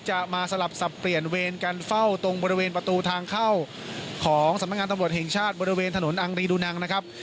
จะมาสลับสับเปลี่ยนเวรกันเฝ้าตรงบริเวณประตูทางเข้าของสำนักงานตำรวจแห่งชาติบริเวณถนนอังรีดูนังนะครับ